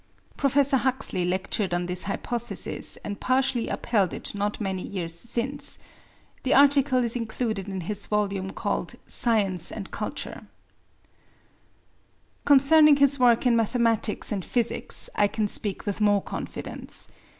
Professor Huxley lectured on this hypothesis and partially upheld it not many years since. The article is included in his volume called Science and Culture. Concerning his work in mathematics and physics I can speak with more confidence.